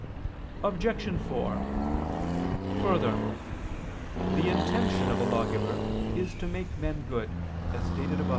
Obj. 4: Further, the intention of a lawgiver is to make men good, as stated above (A.